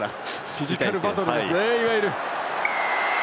フィジカルバトルですねいわゆる。